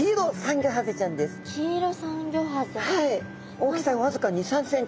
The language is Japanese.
大きさわずか２３ｃｍ。